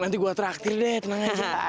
nanti gua traktir deh tenang aja